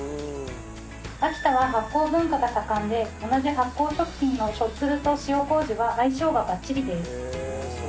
秋田は発酵文化が盛んで同じ発酵食品のしょっつると塩麹は相性がバッチリです。